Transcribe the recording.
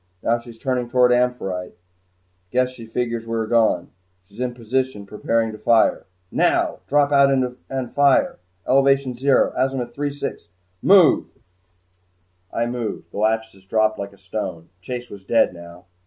Now she's turning toward 'Amphitrite.' Guess she figures we are gone. She's in position preparing to fire. Now! Drop out and fire elevation zero, azimuth three sixty Move!" I moved. The "Lachesis" dropped like a stone. Chase was dead now.